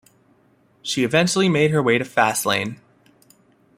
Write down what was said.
She eventually made her way to Faslane.